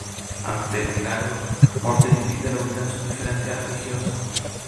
Ante el milagro, Morten y Peter olvidan sus diferencias religiosas.